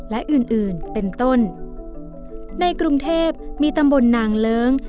และอื่นอื่นเป็นต้นในกรุงเทพมีตำบลนางเลิ้ง